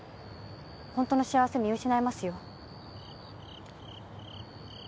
ホントの幸せ見失いますよ